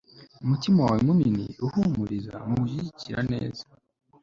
Umutima wawe munini uhumuriza mugushyigikira neza